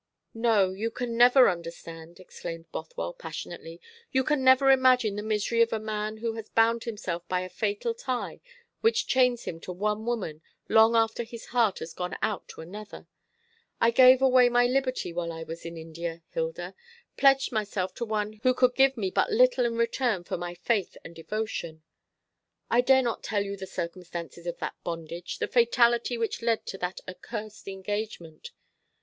"No, you can never understand," exclaimed Bothwell passionately. "You can never imagine the misery of a man who has bound himself by a fatal tie which chains him to one woman, long after his heart has gone out to another. I gave away my liberty while I was in India, Hilda: pledged myself to one who could give me but little in return for my faith and devotion. I dare not tell you the circumstances of that bondage the fatality which led to that accursed engagement.